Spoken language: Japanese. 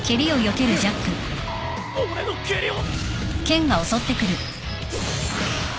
俺の蹴りを！？